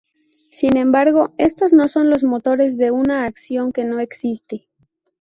Sin embargo, estos no son los motores de una acción que no existe.